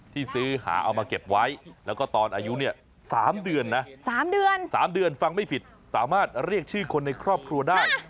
ที่ซื้อหาเอามาเก็บไว้แล้วก็ตอนอายุเนี่ย๓เดือนนะ๓เดือน๓เดือนฟังไม่ผิดสามารถเรียกชื่อคนในครอบครัวได้